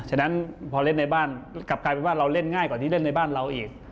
ฉะนั้นพอเล่นในบ้านกลับกลายเป็นว่าเราเล่นง่ายกว่าที่เล่นในบ้านเราอีก